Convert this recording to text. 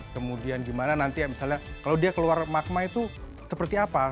kemudian gimana nanti misalnya kalau dia keluar magma itu seperti apa